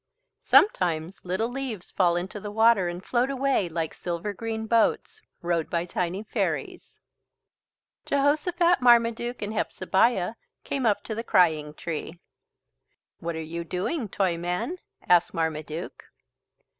Sometimes little leaves fall into the water and float away like silver green boats, rowed by tiny fairies. Jehosophat, Marmaduke, and Hepzebiah came up to the "Crying Tree." "What are you doing, Toyman," asked Marmaduke.